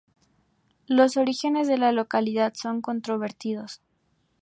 Los orígenes de la localidad son controvertidos.